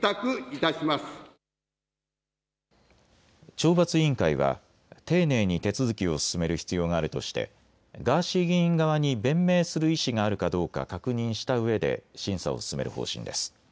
懲罰委員会は丁寧に手続きを進める必要があるとしてガーシー議員側に弁明する意思があるかどうか確認したうえで審査を進める方針です。